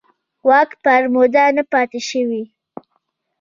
واک پر موده نه پاتې شوي.